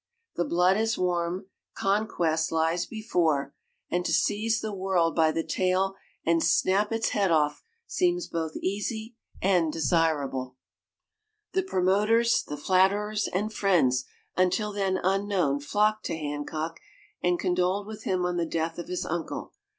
The blood is warm, conquest lies before, and to seize the world by the tail and snap its head off seems both easy and desirable. The promoters, the flatterers and friends until then unknown flocked to Hancock and condoled with him on the death of his uncle.